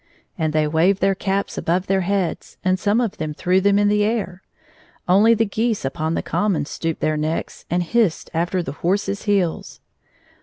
" and they waved their caps above their heads, and some of them threw them in the air. Only the geese upon the common stooped their necks and hissed after the horses' heels.